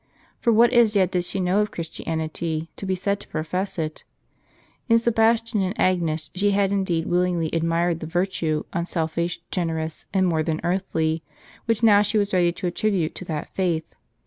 For what as yet did she know of Christianity, to be said to profess it ? In Sebastian and Agnes she had indeed willingly admired the virtue, unself ish, generous, and more than earthly, which now she was ready to attribute to that faith.